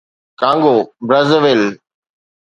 Congo - Brazzaville